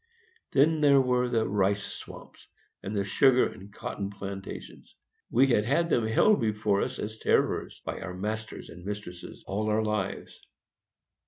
Then there were the rice swamps, and the sugar and cotton plantations; we had had them held before us as terrors, by our masters and mistresses, all our lives.